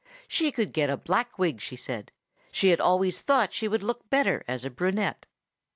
She could get a black wig, she said; and she had always thought she should look better as a brunette.